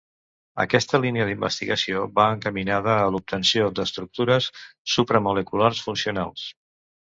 Aquesta línia d'investigació va encaminada a l'obtenció d'estructures supramoleculars funcionals.